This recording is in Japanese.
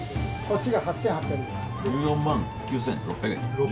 １４万９６００円。